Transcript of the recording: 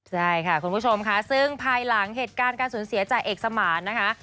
ใช่ค่ะคุณผู้ชมค่ะซึ่งภายหลังเหตุการณ์การสูญเสียจ่าเอกสมานนะคะ